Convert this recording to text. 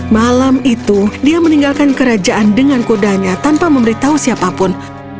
malam itu dia meninggalkan kerajaan dengan kudanya tanpa memberitahu siapapun